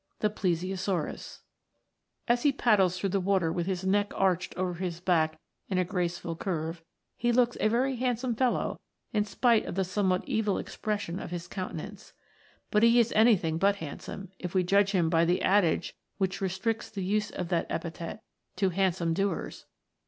* As he paddles through the water with his neck arched over his back in a graceful curve, he looks a very handsome fellow, in spite of the somewhat evil expression of i his countenance ; but he is anything but handsome, if we judge him by the adage which restricts the use of that epithet to handsome doers.